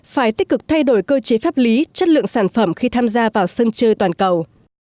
phải tích cực thay đổi cơ chế pháp lý chất lượng sản phẩm khi tham gia vào sân chơi toàn cầu